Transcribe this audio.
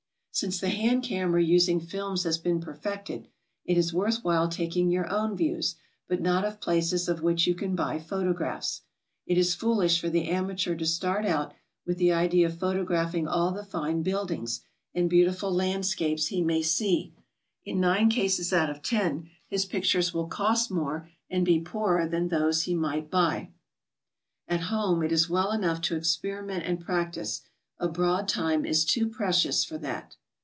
Since the hand camera using films has been perfected, it is worth while taking your own views, but not of places of which you can buy photographs. It is foolish for the amateur to start out with the idea of photographing all the fine buildings and beautiful landscapes he may see; in nine cases out of ten his pictures will cosit more and be poorer than those he might buy. At home it is well enough to experiment and practice; abroad time is too precious for that.